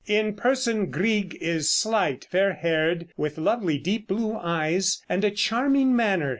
In person Grieg is slight, fair haired, with lovely deep blue eyes and a charming manner.